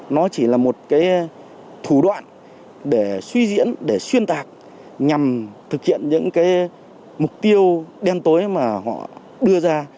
nó chỉ là một cái thủ đoạn để suy diễn để xuyên tạc nhằm thực hiện những cái mục tiêu đen tối mà họ đưa ra